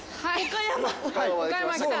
岡山来た。